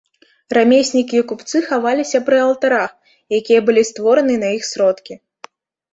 Рамеснікі і купцы хаваліся пры алтарах, якія былі створаны на іх сродкі.